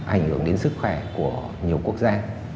ảnh hưởng đến sức khỏe của nhiều quốc gia